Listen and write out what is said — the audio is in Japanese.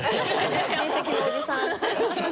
親戚のおじさん。